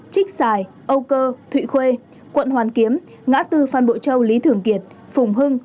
trích xài âu cơ thụy khuê quận hoàn kiếm ngã tư phan bội châu lý thường kiệt phùng hưng